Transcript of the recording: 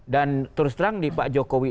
dan terus terang di pak jokowi